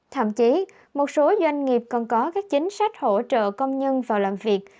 thậm chí một số doanh nghiệp còn có các chính sách hỗ trợ công nhân vào làm việc